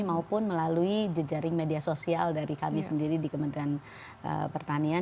maupun melalui jejaring media sosial dari kami sendiri di kementerian pertanian